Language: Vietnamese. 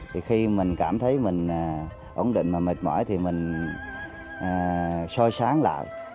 thì khi mình cảm thấy mình ổn định mà mệt mỏi thì mình soi sáng lại